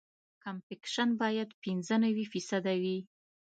کمپکشن باید پینځه نوي فیصده وي